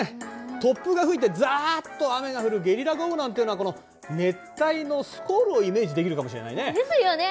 突風が吹いてザッと雨が降るゲリラ豪雨なんてのはこの熱帯のスコールをイメージできるかもしれないね。ですよね。